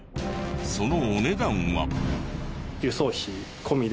そのお値段は。